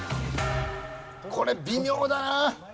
これ微妙だな。